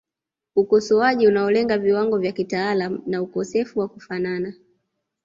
Ukosoaji unaolenga viwango vya kitaalamu na ukosefu wa kufanana